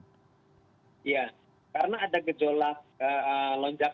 iya karena ada gejolak